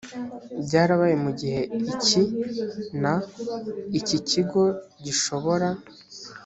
byarabaye mu gihe iki n iki ikigo gishobora